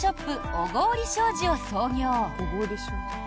小郡商事を創業。